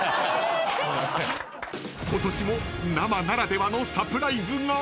［今年も生ならではのサプライズが！？］